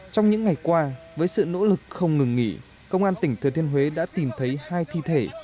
trong những ngày qua với sự nỗ lực không ngừng nghỉ công an tỉnh thừa thiên huế đã tìm thấy hai thi thể